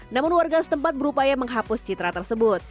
namun warga setempat berupaya menghapus citra tersebut